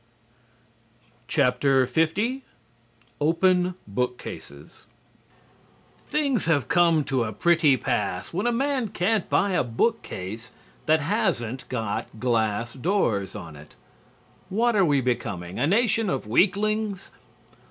L OPEN BOOKCASES Things have come to a pretty pass when a man can't buy a bookcase that hasn't got glass doors on it. What are we becoming a nation of weaklings?